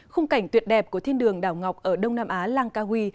khung cảnh tuyệt đẹp của thiên đường đảo ngọc ở đông nam á langkawi